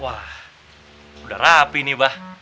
wah udah rapi nih bah